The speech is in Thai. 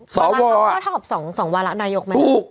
สวถ้าส่ง๒วันแล้วนายกมั้ย